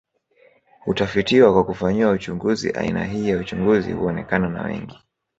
Hutafitiwa kwa kufanyiwa uchunguzi aina hii ya uchunguzi huonekana na wengi